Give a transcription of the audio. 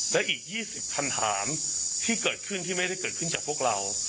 และอีก๒๐คำถามที่เกิดขึ้นที่ไม่ได้เกิดขึ้นจากพวกเรา